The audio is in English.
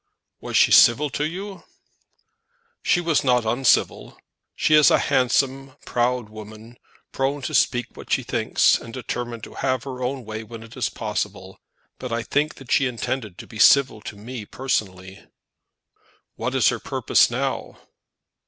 "Was she civil to you?" "She was not uncivil. She is a handsome, proud woman, prone to speak out what she thinks and determined to have her own way when it is possible; but I think that she intended to be civil to me personally." "What is her purpose now?"